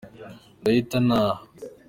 Ndahita ntaha.